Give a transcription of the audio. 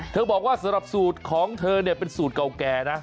เธอบอกว่าสูตรของ้เซินเนี่ยเก่าแก่นะ